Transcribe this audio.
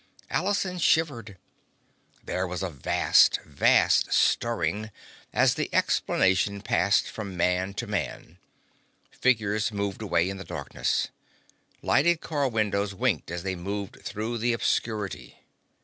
Allison shivered. There was a vast, vast stirring as the explanation passed from man to man. Figures moved away in the darkness. Lighted car windows winked as they moved through the obscurity.